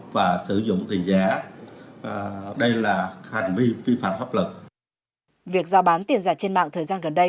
việc giao bán tiền giả trên mạng thời gian gần đây